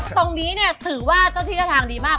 ตรงนี้เนี่ยถือว่าเจ้าที่เจ้าทางดีมาก